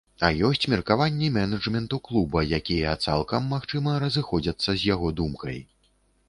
А ёсць меркаванні менеджменту клуба, якія, цалкам магчыма, разыходзяцца з яго думкай.